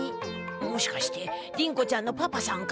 もしかしてりん子ちゃんのパパさんか？